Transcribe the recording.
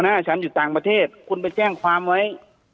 หน้าฉันอยู่ต่างประเทศคุณไปแจ้งความไว้